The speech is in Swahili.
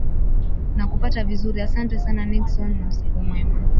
nakupata vizuri asante sana nickson na siku njema